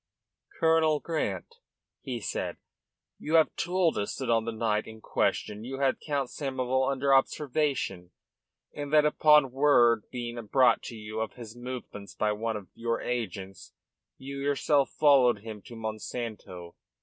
"Colonel Grant," he said, "you have told us that on the night in question you had Count Samoval under observation, and that upon word being brought to you of his movements by one of your agents you yourself followed him to Monsanto.